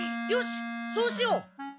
よしそうしよう。